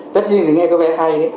tích riêng thì nghe có vẻ hay